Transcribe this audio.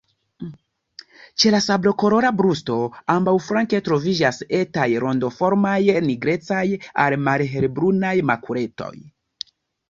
Ĉe la sablokolora brusto ambaŭflanke troviĝas etaj, rondoformaj nigrecaj al malhelbrunaj makuletoj.